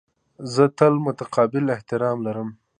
زه تل متقابل احترام لرم.